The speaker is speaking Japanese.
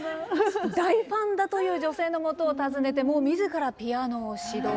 大ファンだという女性のもとを訪ねて自らピアノを指導。